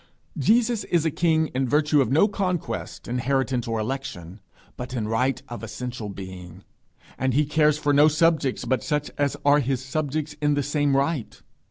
Jesus is a king in virtue of no conquest, inheritance, or election, but in right of essential being; and he cares for no subjects but such as are his subjects in the same right.